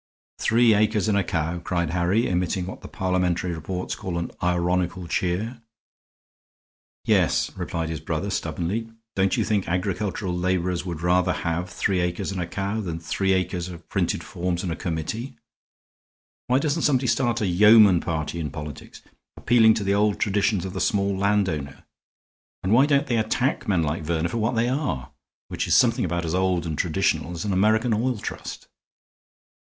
"Three acres and a cow," cried Harry, emitting what the Parliamentary reports call an ironical cheer. "Yes," replied his brother, stubbornly. "Don't you think agricultural laborers would rather have three acres and a cow than three acres of printed forms and a committee? Why doesn't somebody start a yeoman party in politics, appealing to the old traditions of the small landowner? And why don't they attack men like Verner for what they are, which is something about as old and traditional as an American oil trust?"